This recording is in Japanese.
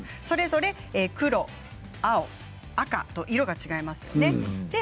それぞれ黒、青、赤と色が違います。